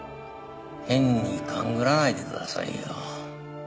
変に勘繰らないでくださいよ。